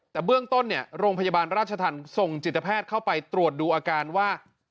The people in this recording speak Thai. แต่เบื้องต้นเนี่ยโรงพยาบาลราชธรรมส่งจิตแพทย์เข้าไปตรวจดูอาการว่า